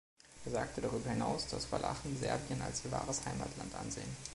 Er sagte darüber hinaus, dass Walachen Serbien als ihr wahres Heimaltland ansehen.